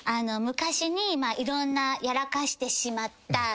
昔にいろんなやらかしてしまった。